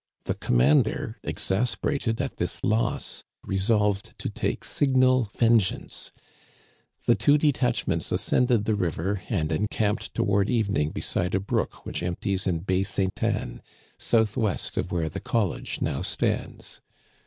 The commander, exasperated at this loss, resolved to take signal vengeance The two detachments ascf nded the river and encamped toward evening beside a brook which empties in Bay Ste. Anne, southwest of where the college now stands.